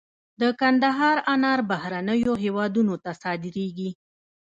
د کندهار انار بهرنیو هیوادونو ته صادریږي.